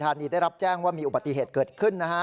ได้รับแจ้งว่ามีอุบัติเหตุเกิดขึ้นนะฮะ